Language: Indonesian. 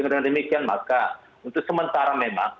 dengan demikian maka untuk sementara memang